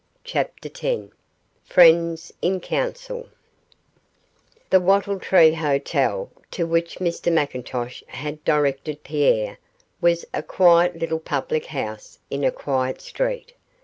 CHAPTER X FRIENDS IN COUNCIL The Wattle Tree Hotel, to which Mr McIntosh had directed Pierre, was a quiet little public house in a quiet street.